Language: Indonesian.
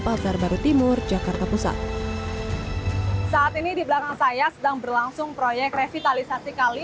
pasar baru timur jakarta pusat saat ini di belakang saya sedang berlangsung proyek revitalisasi kali